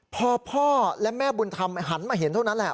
พอพ่อและแม่บุญธรรมหันมาเห็นเท่านั้นแหละ